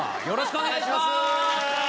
よろしくお願いします！